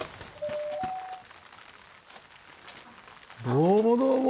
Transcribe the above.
どうもどうも。